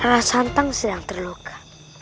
rasantang sedang terluka